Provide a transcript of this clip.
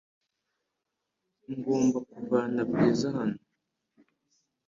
Ngomba kuvana Bwiza hano .